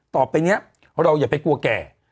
ตอบไปเนี่ยว่าเราอย่าไปกลัวแก่